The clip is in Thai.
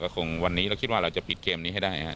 คงวันนี้เราคิดว่าเราจะปิดเกมนี้ให้ได้ครับ